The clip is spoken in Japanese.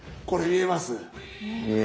これ見えます？